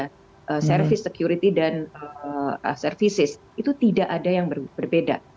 keamanan keamanan dan perusahaan itu tidak ada yang berbeda